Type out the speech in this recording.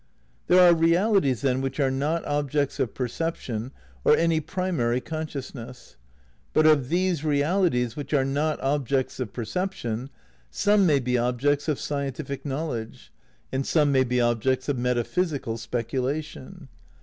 There are realities, then, which are not objects of perception or any primary consciousness. But of these realities which are not objects of perception some may be objects of scientific knowledge, and some may be ob jects of metaphysical speculation.